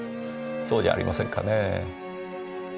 そうじゃありませんかねぇ。